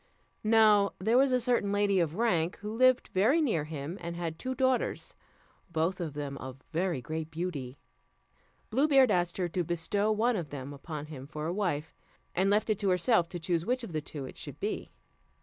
Now there was a certain lady of rank, who lived very near him, and had two daughters, both of them of very great beauty. Blue Beard asked her to bestow one of them upon him for a wife, and left it to herself to choose which of the two it should be.